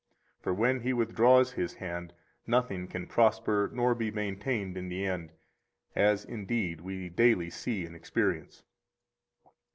For when He withdraws His hand, nothing can prosper nor be maintained in the end, as, indeed, we daily see and experience.